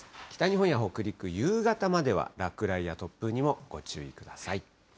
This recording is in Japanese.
北日本や北陸、夕方までは落雷や突風にもご注意ください。